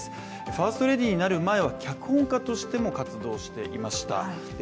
ファーストレディになる前は脚本家としても活躍していました。